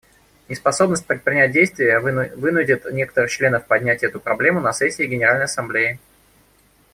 Неспособность предпринять действия вынудит некоторых членов поднять эту проблему на сессии Генеральной Ассамблеи.